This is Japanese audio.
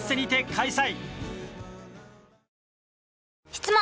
質問！